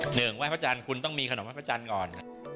หนึ่งไหว้พระจันทร์คุณต้องมีขนมไห้พระจันทร์ก่อน